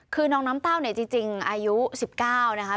คือน้องน้ำเต้าเนี่ยจริงอายุ๑๙นะคะ